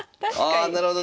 あなるほど。